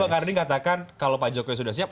pak kardi katakan kalau pak jokowi sudah siap